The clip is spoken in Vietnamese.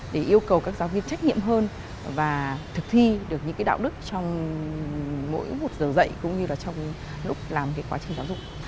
để yêu cầu các giáo viên trách nhiệm hơn và thực thi được những đạo đức trong mỗi một giờ dạy cũng như là trong lúc làm cái quá trình giáo dục